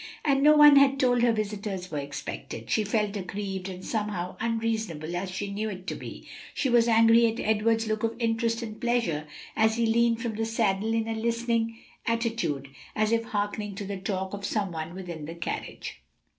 And no one had told her visitors were expected. She felt aggrieved, and somehow, unreasonable as she knew it to be, she was angry at Edward's look of interest and pleasure as he leaned from the saddle in a listening attitude, as if hearkening to the talk of some one within the carriage.